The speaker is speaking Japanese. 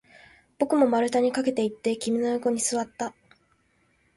僕も丸太に駆けていって、君の横に座った